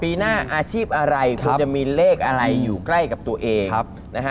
ปีหน้าอาชีพอะไรคุณจะมีเลขอะไรอยู่ใกล้กับตัวเองนะฮะ